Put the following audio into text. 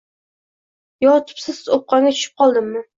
yo tubsiz oʼpqonga tushib qoldimmi